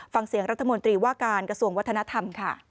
ฟังเสียงรัฐมนตรีว่าการกระทรวงวัฒนธรรมค่ะ